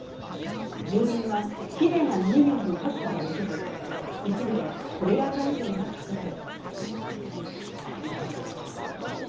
住民はきれいな飲み水の確保ができず一部でコレラ感染が拡大。